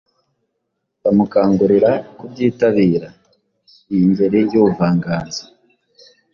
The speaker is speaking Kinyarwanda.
bamukangurira kubyitabira. Iyi ngeri y’ubuvanganzo